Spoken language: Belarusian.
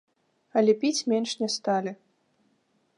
Але піць менш не сталі.